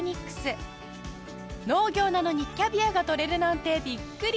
農業なのにキャビアが取れるなんてびっくり！